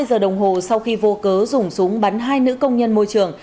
ba mươi giờ đồng hồ sau khi vô cớ dùng súng bắn hai nữ công nhân môi trường